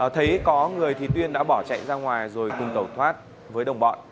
thấy có người thì tuyên đã bỏ chạy ra ngoài rồi cùng cầu thoát với đồng bọn